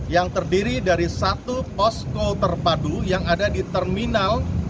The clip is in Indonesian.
yang terdiri dari satu posko terpadu yang ada di terminal